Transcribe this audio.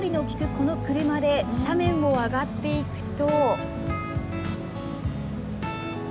この車で斜面を上がっていくと。